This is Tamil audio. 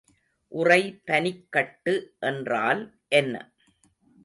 உறைபனிக்கட்டு என்றால் என்ன?